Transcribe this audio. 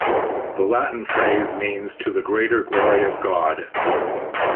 The Latin phrase means 'To the greater glory of God'.